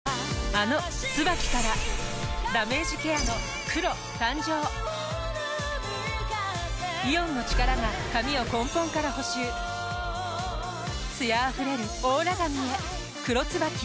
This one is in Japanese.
あの「ＴＳＵＢＡＫＩ」からダメージケアの黒誕生イオンの力が髪を根本から補修艶あふれるオーラ髪へ「黒ＴＳＵＢＡＫＩ」